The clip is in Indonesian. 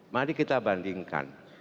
mari kita bandingkan